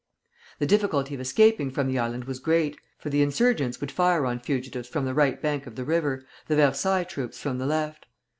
The difficulty of escaping from the island was great, for the insurgents would fire on fugitives from the right bank of the river, the Versailles troops from the left.